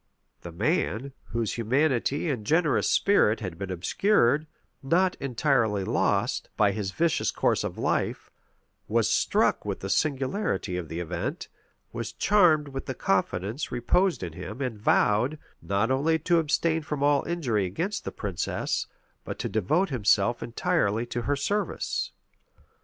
The man, whose humanity and generous spirit had been obscured, not entirely lost, by his vicious course of life, was struck with the singularity of the event, was charmed with the confidence reposed in him, and vowed, not only to abstain from all injury against the princess, but to devote himself entirely to her service.